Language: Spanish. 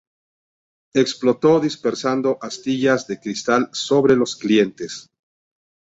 Explotó, dispersando astillas de cristal sobre los clientes.